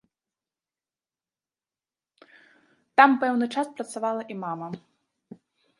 Там пэўны час працавала і мама.